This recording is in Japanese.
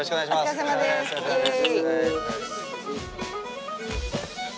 お疲れさまですイェイ。